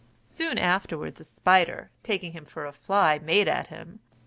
Soon afterwards a spider, taking him for a fly, made at him.